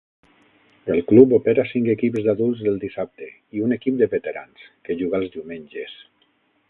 El club opera cinc equips d'adults del dissabte i un equip de veterans, que juga els diumenges.